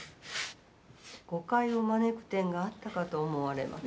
誤解を招く点があったかと思われます。